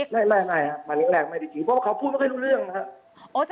ไม่ไม่ไม่ครับหมายถึงแรกไม่ได้จริงเพราะว่าเขาพูดไม่ได้รู้เรื่องนะฮะ